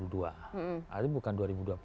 tapi bukan dua ribu dua puluh